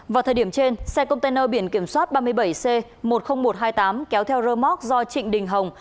vào thời điểm trên xe container biển kiểm soát ba mươi bảy c một mươi nghìn một trăm hai mươi tám kéo theo rơ móc do trịnh đình hồng